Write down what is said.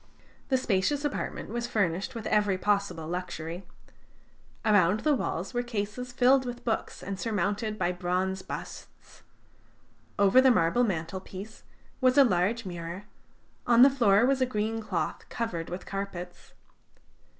The spacious apartment was furnished with every possible luxury. Around the walls were cases filled with books and surmounted by bronze busts; over the marble mantelpiece was a large mirror; on the floor was a green cloth covered with carpets.